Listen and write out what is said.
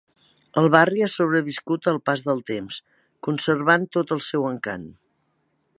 El barri ha sobreviscut al pas del temps, conservant tot el seu encant.